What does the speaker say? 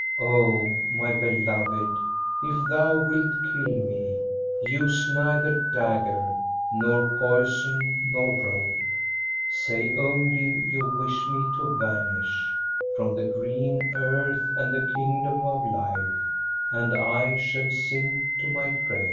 " O my beloved, if thou wilt kill me. Use neither dagger nor poison nor rope ! Say only you wish me to vanish From the green earth and the kingdom of life, And I shall sink to my grave.